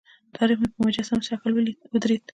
تاریخ مې په مجسم شکل مخې ته ودرېد.